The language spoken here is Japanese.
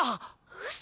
ウソ！